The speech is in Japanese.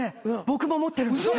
僕も持ってるんです。